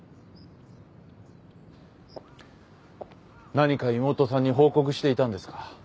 何か妹さんに報告していたんですか？